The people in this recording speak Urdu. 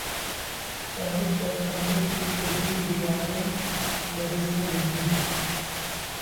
صاحب جب کمرے کی چوبی دیواریں لرزنے لگیں